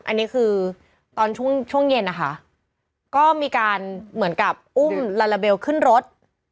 อันนี้คือตอนช่วงเย็นนะคะก็มีการเหมือนกับอุ้มลาลาเบลขึ้นรถ